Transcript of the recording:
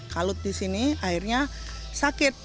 kalut di sini akhirnya sakit